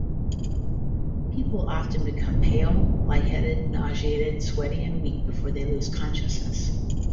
People often become pale, lightheaded, nauseated, sweaty and weak before they lose consciousness.